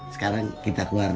sekarang kita keluar